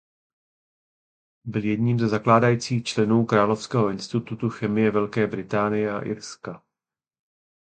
Byl jedním ze zakládajících členů Královského institutu chemie Velké Británie a Irska.